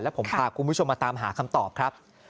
ผมพาคุณผู้ชมมาตามหาคำตอบครับ